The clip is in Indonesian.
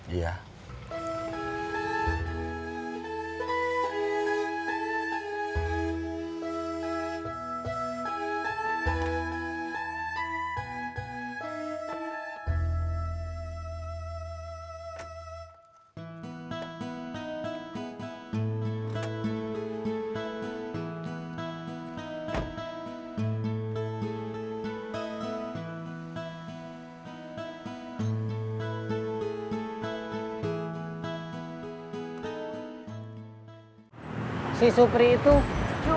saya simeang sempet lanjut